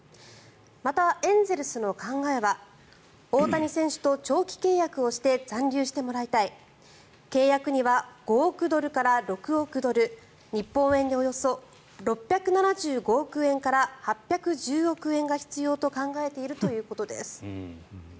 また、エンゼルスの考えは大谷選手と長期契約をして残留してもらいたい契約には５億ドルから６億ドル日本円でおよそ６７５億円から８１０億円が必要と考えているということです。